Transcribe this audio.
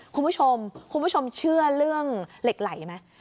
คุณผู้ชมคุณผู้ชมเชื่อเรื่องเหล็กไหลไหม